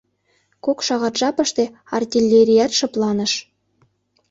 Кок шагат жапыште артиллерият шыпланыш...